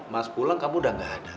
mas pulang kamu udah gak ada